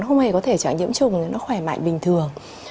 không hề có thể trạng nhiễm trùng thì nó khỏe mạnh bình thường